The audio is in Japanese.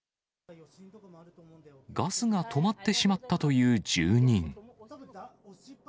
ガスが止まってしまったという住人。